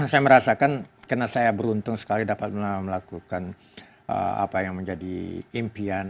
saya merasakan karena saya beruntung sekali dapat melakukan apa yang menjadi impian